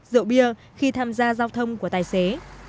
rượu bia khi tham gia giao thông của tài xế